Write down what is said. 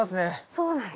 そうなんです。